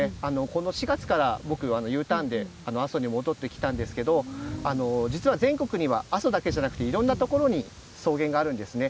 この４月から僕、Ｕターンで阿蘇に戻ってきたんですけど実は全国には阿蘇だけじゃなくていろんなところに草原があるんですね。